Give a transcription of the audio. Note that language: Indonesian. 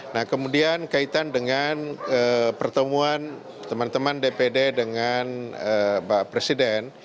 nah kemudian kaitan dengan pertemuan teman teman dpd dengan pak presiden